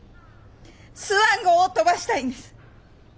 スワン号を飛ばしたいんです！